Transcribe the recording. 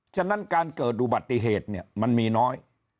ฉะนั้นการเกิดอุบัติเหตุเนี่ยมันมีน้อย